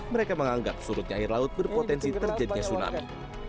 mereka menganggap surutnya air laut berpotensi terjadinya tsunami